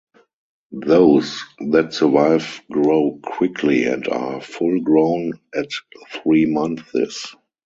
Those that survive grow quickly and are full grown at three months.